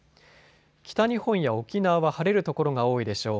北日本や沖縄は晴れる所が多いでしょう。